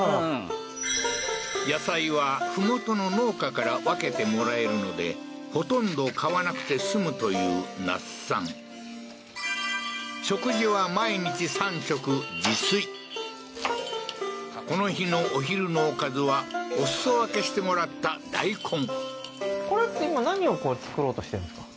野菜は麓の農家から分けてもらえるのでほとんど買わなくて済むという那須さん食事は毎日３食この日のお昼のおかずはおすそ分けしてもらった大根作ろうとしてるんですか？